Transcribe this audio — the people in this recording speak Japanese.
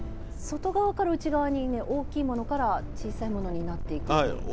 外側から内側にね大きいものから小さいものになっていくという。